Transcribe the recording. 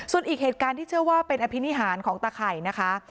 ส่วนอีกเหตุการณ์ที่เชื่อว่าเป็นอภินิหารของตาไข่นะคะ